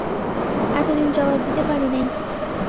এতদিন জবাব দিতে পারি নাই।